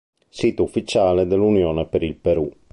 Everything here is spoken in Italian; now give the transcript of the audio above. Sito ufficiale dell'Unione per il Perù